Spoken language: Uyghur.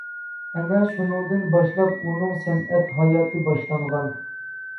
ئەنە شۇنىڭدىن باشلاپ ئۇنىڭ سەنئەت ھاياتى باشلانغان.